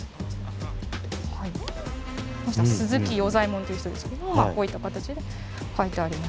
この人は鈴木与左衛門という人ですけれどこういった形で書いてありまして。